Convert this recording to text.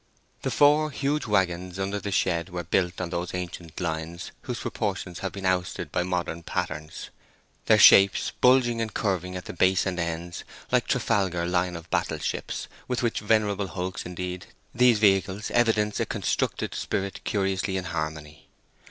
The four huge wagons under the shed were built on those ancient lines whose proportions have been ousted by modern patterns, their shapes bulging and curving at the base and ends like Trafalgar line of battle ships, with which venerable hulks, indeed, these vehicles evidenced a constructed spirit curiously in harmony.